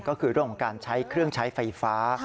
ก็คือเรื่องของการใช้เครื่องใช้ไฟฟ้า